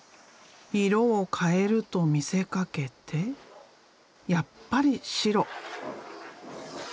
色を変えると見せかけてやっぱり白。